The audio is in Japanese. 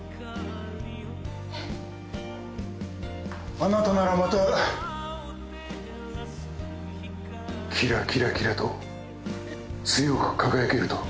あなたならまたキラキラキラと強く輝けると。